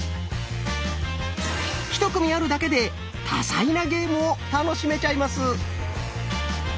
１組あるだけで多彩なゲームを楽しめちゃいます。